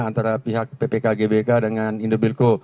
antara pihak ppk gbk dengan indobilco